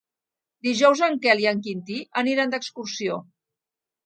Dijous en Quel i en Quintí aniran d'excursió.